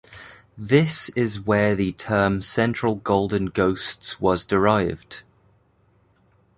This is where the term Central Golden Ghosts was derived.